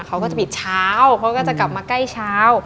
เขาก็จะปิดเช้าเขาก็จะกลับมาใกล้เช้า